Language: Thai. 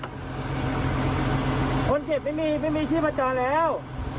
พี่ครับคนเก็บไม่มีไม่มีชีวัตราแล้ว